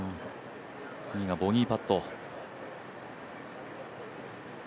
次がボギーパット。